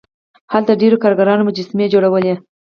هلته ډیرو کارګرانو مجسمې جوړولې.